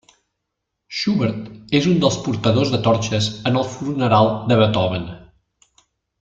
Schubert és un dels portadors de torxes en el funeral de Beethoven.